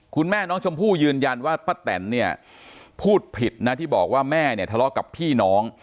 คุณแม่น้องชมพู่ยืนยันว่าป้าแตนเนี่ยพูดผิดนะที่บอกว่าแม่เนี่ยทะเลาะกับพี่น้อง